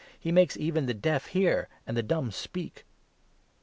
"He makes even the deaf hear and the dumb speak